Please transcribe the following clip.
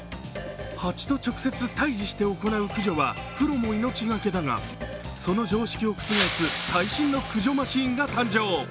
蜂と直接対峙して行う駆除はプロも命がけだが、その常識を覆す最新の駆除マシーンが誕生。